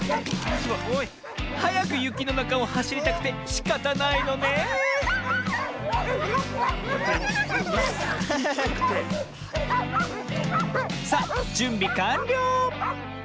はやくゆきのなかをはしりたくてしかたないのねえさあじゅんびかんりょう！